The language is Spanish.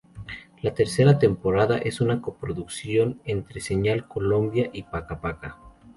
La tercera temporada es una Co-Producción entre Señal Colombia y Paka Paka.